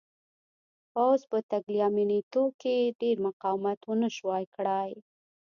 پوځ په تګلیامنیتو کې ډېر مقاومت ونه شوای کړای.